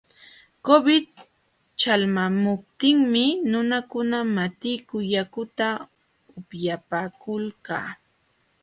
Covid ćhalqamuptinmi nunakuna matiku yakuta upyapaakulqa.